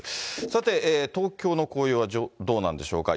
さて、東京の紅葉はどうなんでしょうか。